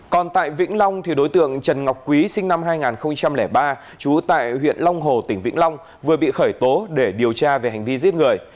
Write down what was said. còn tại vĩnh long đối tượng trần ngọc quý sinh năm hai nghìn ba trú tại huyện long hồ tỉnh vĩnh long vừa bị khởi tố để điều tra về hành vi giết người